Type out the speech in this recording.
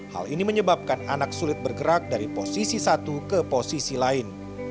hal ini menyebabkan anak sulit bergerak dari posisi satu ke posisi lain